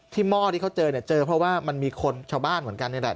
หม้อที่เขาเจอเนี่ยเจอเพราะว่ามันมีคนชาวบ้านเหมือนกันนี่แหละ